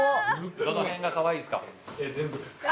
どのへんがかわいいですか？